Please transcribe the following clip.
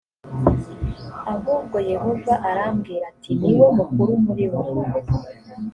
ahubwo yehova arambwira ati niwe mukuru muribo.